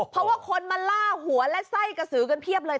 เพราะว่าคนมาล่าหัวและไส้กระสือกันเพียบเลย